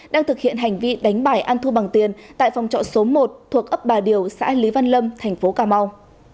đang thực hiện hành vi đánh bải an thu bằng tiền tại phòng trọ số một thuộc ấp bà điều xã lý văn lâm thành phố cà mau